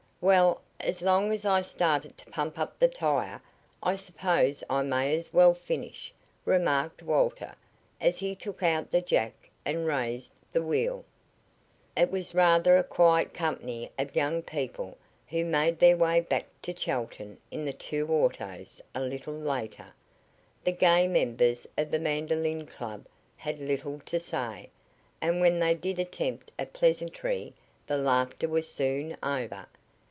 "Well, as long as I started to pump up the tire I suppose I may as well finish," remarked Walter, as he took out the jack and raised the wheel. It was rather a quiet company of young people who made their way back to Chelton in the two autos a little later. The gay members of the mandolin club had little to say, and when they did attempt a pleasantry the laughter was soon over.